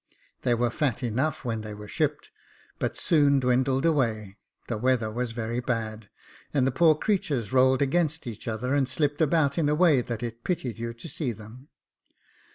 They "were fat enough when they were shipped, but soon dwindled away: the weather was very bad, and the poor creatures rolled against each other, and slipped about in a way that it pitied you to see them.